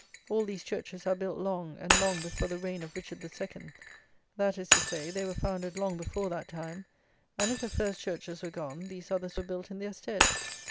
All these churches are built long and long before the reign of Richard the Second; that is to say, they were founded long before that time, and if the first churches were gone, these others were built in their stead.